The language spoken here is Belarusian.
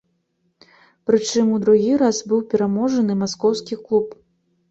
Прычым, у другі раз быў пераможаны маскоўскі клуб.